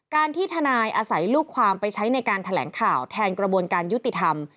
ที่ทนายอาศัยลูกความไปใช้ในการแถลงข่าวแทนกระบวนการยุติธรรม